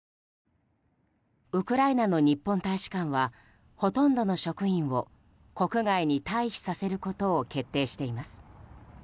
ウクライナの日本大使館はほとんどの職員を国外に退避させることを決定しています。